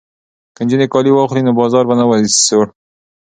که نجونې کالي واخلي نو بازار به نه وي سوړ.